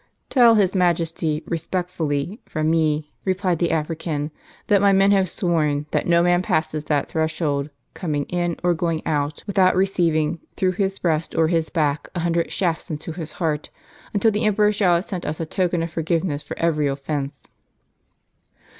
" Tell his majesty, respectfully, from me," replied the African, "that my men have sworn, that no man passes that threshold, coming in, or going out, without leceiving, through his breast or his back, a hundred shafts into his heart ; until the emperor shall have sent us a token of for giveness for every offence."